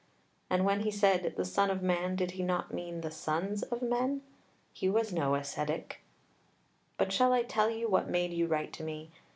And when he said the "Son of Man," did he not mean the sons of men? He was no ascetic. But shall I tell you what made you write to me?